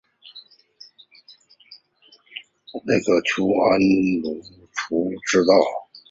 隶安庐滁和道。